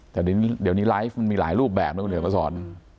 แต่เดี๋ยวนี้ไลฟ์มันมีหลายรูปแบบนะคุณเดี๋ยวมาสอน